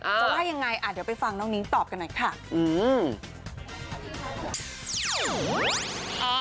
จะว่ายังไงเดี๋ยวไปฟังน้องนิ้งตอบกันหน่อยค่ะ